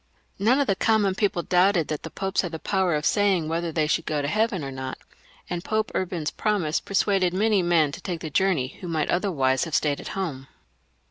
None of the common people doubted that the Popes had the power of saying whether they should go to heaven or not, and Pope XJrban's promise persuaded many men to take the journey who might otherwise have stayed at home.